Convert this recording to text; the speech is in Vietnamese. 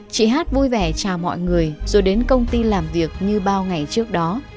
chị hát vui vẻ chào mọi người rồi đến công ty làm việc như bao ngày trước đó